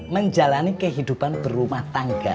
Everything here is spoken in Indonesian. menjalani kehidupan berumah tangga